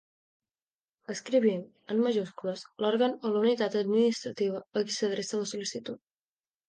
Escrivim, en majúscules, l'òrgan o la unitat administrativa a qui s'adreça la sol·licitud.